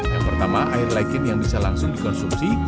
yang pertama air lekin yang bisa langsung dikonsumsi